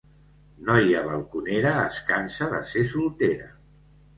Noia balconera es cansa de ser soltera.